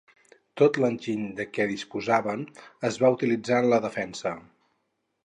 Tot l'enginy de què disposaven es va utilitzar en la defensa.